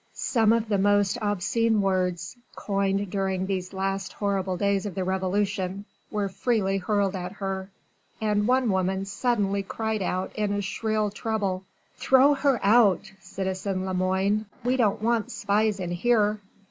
Some of the most obscene words, coined during these last horrible days of the Revolution, were freely hurled at her, and one woman suddenly cried out in a shrill treble: "Throw her out, citizen Lemoine! We don't want spies in here!"